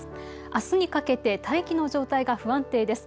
あすにかけて大気の状態が不安定です。